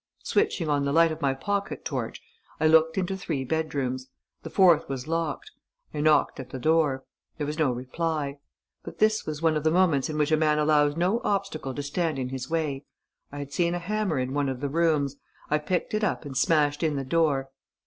Switching on the light of my pocket torch, I looked into three bedrooms. The fourth was locked. I knocked at the door. There was no reply. But this was one of the moments in which a man allows no obstacle to stand in his way. I had seen a hammer in one of the rooms. I picked it up and smashed in the door....